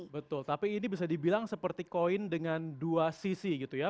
betul tapi ini bisa dibilang seperti koin dengan dua sisi gitu ya